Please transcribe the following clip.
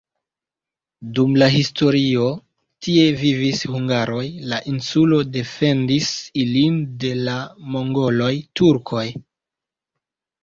Dum la historio tie vivis hungaroj, la insulo defendis ilin de la mongoloj, turkoj.